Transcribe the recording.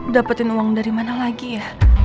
dapetin uang dari mana lagi ya